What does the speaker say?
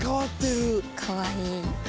かわいい。